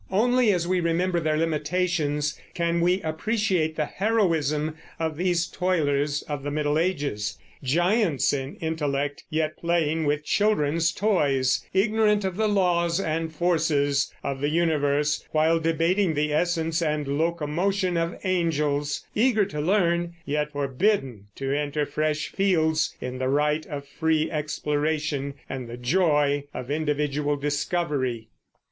Only as we remember their limitations can we appreciate the heroism of these toilers of the Middle Ages, giants in intellect, yet playing with children's toys; ignorant of the laws and forces of the universe, while debating the essence and locomotion of angels; eager to learn, yet forbidden to enter fresh fields in the right of free exploration and the joy of individual discovery.